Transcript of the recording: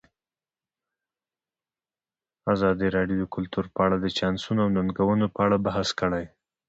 ازادي راډیو د کلتور په اړه د چانسونو او ننګونو په اړه بحث کړی.